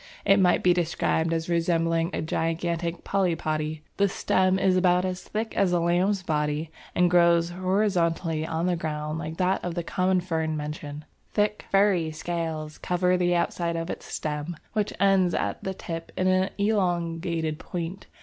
It might be described as resembling a gigantic Polypody; the stem is about as thick as a lamb's body and grows horizontally on the ground like that of the common fern mentioned; thick furry scales cover the outside of its stem, which ends at the tip in an elongated point.